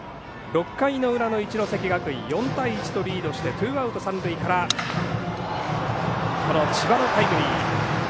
６回の裏の一関学院４対１とリードしてツーアウト、三塁から千葉のタイムリー。